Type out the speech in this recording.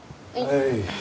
はい。